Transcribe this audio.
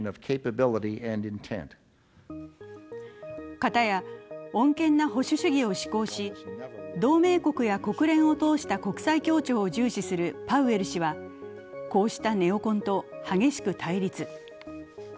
片や穏健な保守主義を志向し同盟国や国連を通した国際協調を重視するパウエル氏はこうしたネオコンを激しく対立。